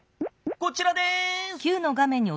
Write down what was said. こちらです。